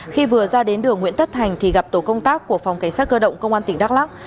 khi vừa ra đến đường nguyễn tất thành thì gặp tổ công tác của phòng cảnh sát cơ động công an tỉnh đắk lắc